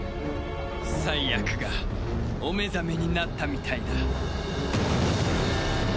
最悪がお目覚めになったみたいだ。